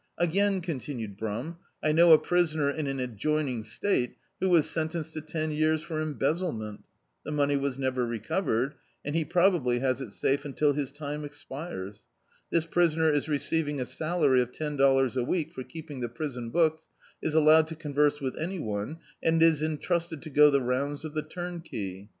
Again," OHitinued Brum, "I know a prisoner, in an adjoining state, who was sentenced to ten years for embezzlement. The money was never recovered, and he probably has it safe unril his time expires. This prisoner is receiving a salary of ten dollars a week for keeping the prison books, is allowed to con verse with any one, and is entrusted to go the rounds of the turnkey.